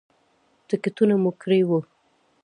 ټکټونه مو کړي وو.